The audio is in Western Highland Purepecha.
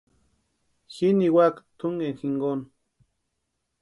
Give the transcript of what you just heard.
Ji niwaka túnkeni jinkoni.